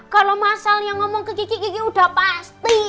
kalau mas sal yang ngomong ke kiki kiki udah pasti